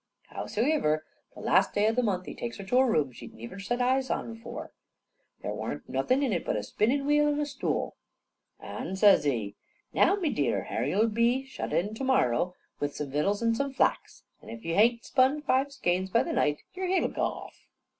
Howsivir, the last day o' the last month, he takes her to a room she'd niver set eyes on afore. There worn't nothin' in it but a spinnin' wheel and a stool. An' says he, "Now, me dear, hare you'll be shut in to morrow with some vittles and some flax, and if you hain't spun five skeins by the night, yar hid'll goo off."